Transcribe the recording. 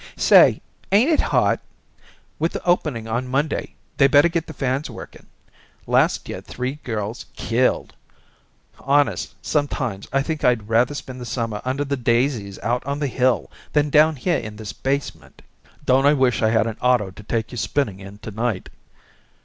"Say, ain't it hot? With the Opening on Monday, they better get the fans working. Last year three girls keeled. Honest, sometimes I think I'd rather spend the summer under the daisies out on the hill than down here in this basement." "Don't I wish I had an auto to take you spinning in to night."